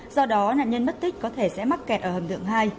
do đó nạn nhân mất tích có thể sẽ mắc kẹt ở hầm đựng hai